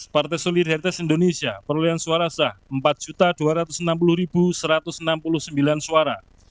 partai solidaritas indonesia perolehan suara sah empat dua ratus enam puluh satu ratus enam puluh sembilan suara